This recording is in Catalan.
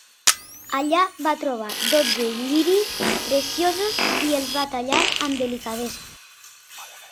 Allà va trobar dotze lliris preciosos i els va tallar amb delicadesa.